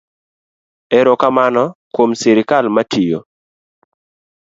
Erokamano kuom sirikal matiyo.